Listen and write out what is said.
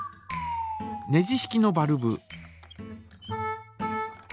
ネジ式のバルブ。